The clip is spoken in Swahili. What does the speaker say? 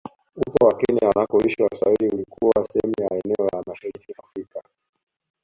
Upwa wa Kenya wanakoishi Waswahili ulikuwa sehemu ya eneo la mashariki mwa Afrika